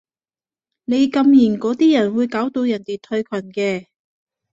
你禁言嗰啲人會搞到人哋退群嘅